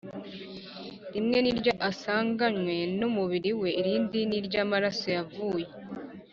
rimwe ni iryo asanganywe ry’umubiri we irindi ni iry’amaraso yavuye